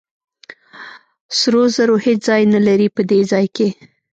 سرو زرو هېڅ ځای نه لري په دې ځای کې.